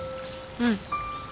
うん。